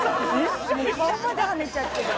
顔まではねちゃってる。